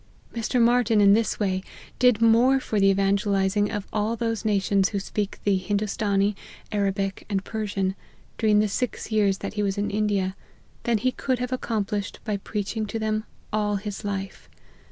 Mr. Martyn in this way did more for the evangelizing of all those nations who speak the Hindoostanee, Arabic, and Persian, during the six years that he was in India, than he could have ac* complished by preaching to them all his life.